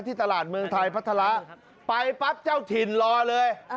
ตลาดเมืองไทยพัฒระไปปั๊บเจ้าถิ่นรอเลย